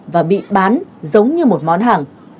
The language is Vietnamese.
và bị bán giống như một món hàng